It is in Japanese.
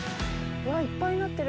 Δ錣いっぱいなってる！